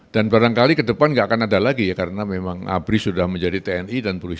dan barangkali ke depan tidak akan ada lagi ya karena memang abri sudah menjadi tni dan polisi